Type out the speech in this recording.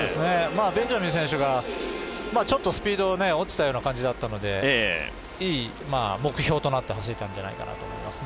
ベンジャミン選手がちょっとスピード落ちたような感じだったのでいい目標となって走れたんじゃないかと思います。